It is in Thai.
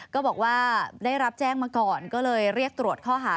ก็บอกว่าได้รับแจ้งมาก่อนก็เลยเรียกตรวจข้อหา